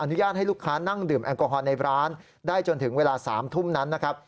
อนุญาตให้ลูกค้านั่งดื่มแอลกอฮอลในร้านได้จนถึงเวลา๓ทุ่มนั้นนะครับ